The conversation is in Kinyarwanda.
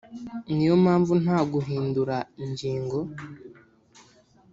ni yo mpamvu nta guhindura ingingo